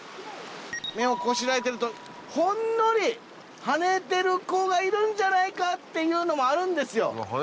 目を凝らしてるとほんのり跳ねてる子がいるんじゃないかっていうのもあるんですよ。